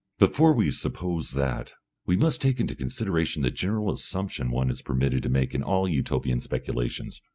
Before we suppose that, we must take into consideration the general assumption one is permitted to make in all Utopian speculations.